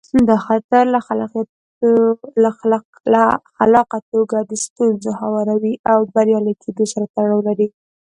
دا خطر له خلاقه توګه د ستونزو هواري له بریالي کېدو سره تړاو لري.